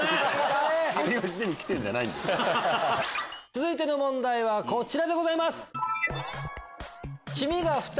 続いての問題はこちらでございます。